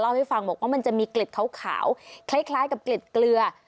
ให้ฟังบอกว่ามันจะมีเกล็ดขาวคล้ายกับเกล็ดเกลือ